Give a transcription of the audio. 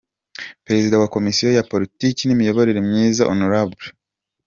Perezida wa komisiyo ya politiki n’imiyoborere myiza, Hon.